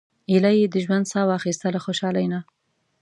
ایله یې د ژوند سا واخیسته له خوشالۍ نه.